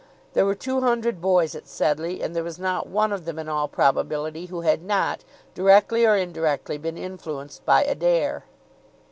There were two hundred boys at Sedleigh, and there was not one of them in all probability who had not, directly or indirectly, been influenced by Adair.